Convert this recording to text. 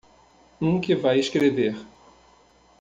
Um que vai escrever.